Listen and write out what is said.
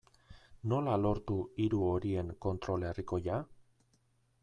Nola lortu hiru horien kontrol herrikoia?